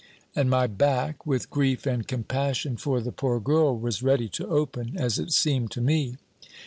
And my back, with grief and compassion for the poor girl, was ready to open, as it seemed to me.